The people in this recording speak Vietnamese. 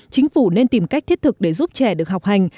chính phủ nên tìm cách thiết thực để giúp trẻ được học hành